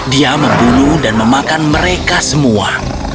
dia membunuh dan memakan mereka semua